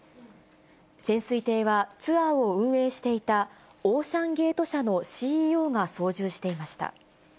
潜水艇はツアーを運営していたオーシャンゲート社のＣＥＯが操縦していました。